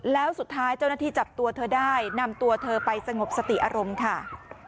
แล้วสุดท้ายเจ้าหน้าที่จับตัวเธอได้นำตัวเธอไปสงบสติอารมณ์ค่ะ